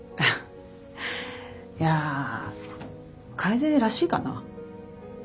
いや楓らしいかな。